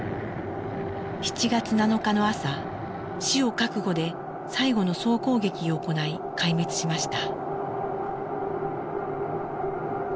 ７月７日の朝死を覚悟で最後の総攻撃を行い壊滅しました。